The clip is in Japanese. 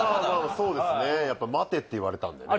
そうですねやっぱ「待て」って言われたんでね